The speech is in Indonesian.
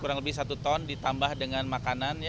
kurang lebih satu ton ditambah dengan makanan